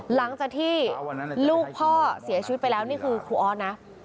หลังจากที่ลูกพ่อเสียชีวิตไปแล้วนี่คือครูออสนะ